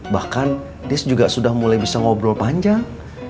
bahkan dias juga sudah mulai bisa ngobrol panjang